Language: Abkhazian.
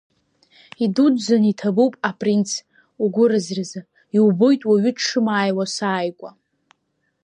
Идуӡӡан иҭабуп, апринц, угәыразразы, иубоит уаҩы дшымааиуа сааигәа.